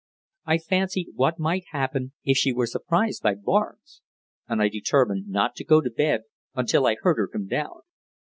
I fancied what might happen if she were surprised by Barnes, and I determined not to go to bed until I heard her come down.